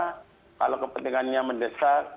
kalau kepentingannya mendesak